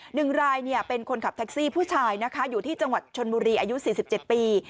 หนึ่งรายเป็นคนขับแท็กซี่ผู้ชายอยู่ที่จังหวัดชนมุรีอายุ๔๗ปี